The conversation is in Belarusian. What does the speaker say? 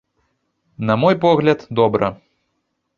На мой погляд, добра.